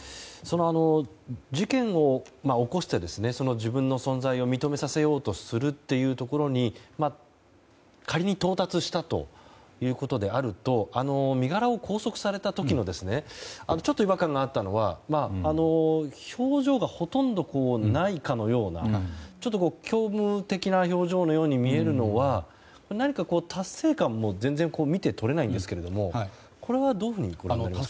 事件を起こして自分の存在を認めさせようとするというところに仮に到達したということであると身柄を拘束された時に違和感があったのは表情がほとんどないかのような虚無的な表情のように見えるのは何か達成感も全然見て取れないんですがこれはどういうふうにご覧になりますか。